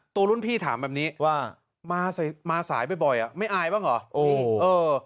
รุ่นพี่ถามแบบนี้ว่ามาสายบ่อยไม่อายบ้างเหรอ